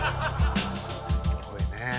すごいねえ。